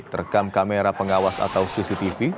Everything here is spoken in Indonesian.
terekam kamera pengawas atau cctv